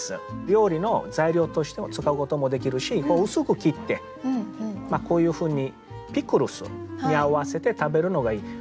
料理の材料としても使うこともできるし薄く切ってこういうふうにピクルスに合わせて食べるのがいい。